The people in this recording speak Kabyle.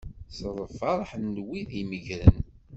S lferḥ n wid imeggren.